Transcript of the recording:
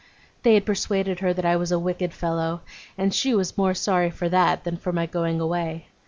They had persuaded her that I was a wicked fellow, and she was more sorry for that than for my going away.